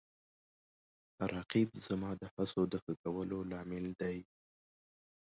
رقیب زما د هڅو د ښه کولو لامل دی